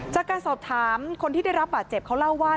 จากการสอบถามคนที่ได้รับบาดเจ็บเขาเล่าว่า